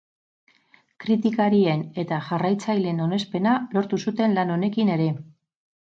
Kritikarien eta jarraitzaileen onespena lortu zuten lan honekin ere.